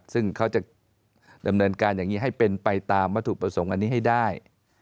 ซึ่งเค้าจะดำเนินการให้เป็นไปตามวัตถุประสงค์นี้ให้ได้